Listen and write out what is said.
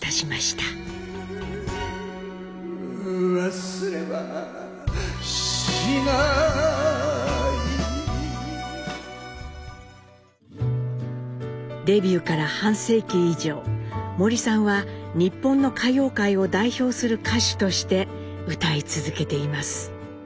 「忘れはしない」デビューから半世紀以上森さんは日本の歌謡界を代表する歌手として歌い続けています。